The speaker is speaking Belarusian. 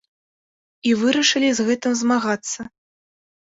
І вырашылі з гэтым змагацца.